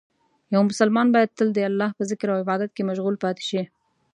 یو مسلمان باید تل د الله په ذکر او عبادت کې مشغول پاتې شي.